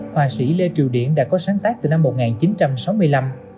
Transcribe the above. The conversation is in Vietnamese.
hòa sĩ lê triều điện đã có sáng tác từ năm một nghìn chín trăm sáu mươi năm